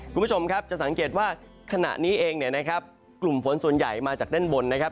คุณผู้ชมครับจะสังเกตว่าขณะนี้เองเนี่ยนะครับกลุ่มฝนส่วนใหญ่มาจากด้านบนนะครับ